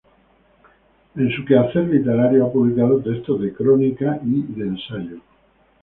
En su quehacer literario ha publicado textos de crónica y de ensayo.